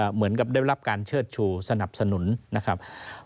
เหมือนกับได้รับการเชิดชูสนับสนุนนะครับ